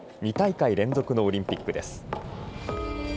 ２大会連続のオリンピックです。